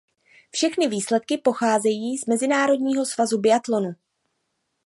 Všechny výsledky pocházejí z Mezinárodního svazu biatlonu.